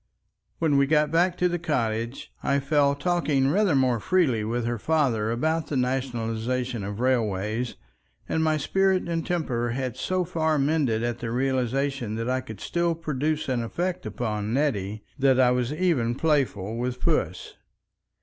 When we got back to the cottage, I fell talking rather more freely with her father about the nationalization of railways, and my spirits and temper had so far mended at the realization that I could still produce an effect upon Nettie, that I was even playful with Puss.